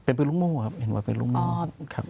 เป็นปืนลุกโม่ครับ